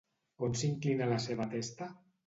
On s'inclina la seva testa?